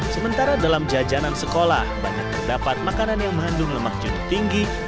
sementara dalam jajanan sekolah banyak terdapat makanan yang mengandung lemak jenuh tinggi